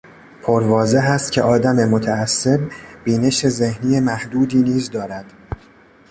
پر واضح است که آدم متعصب، بینش ذهنی محدودی نیز دارد.